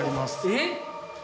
えっ？